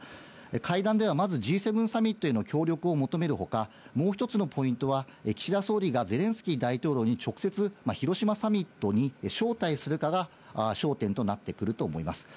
会談ではＧ７サミットへの協力を求めるほか、もう１つのポイントは岸田総理がゼレンスキー大統領に直接、広島サミットに招待するかが焦点となってくると思います。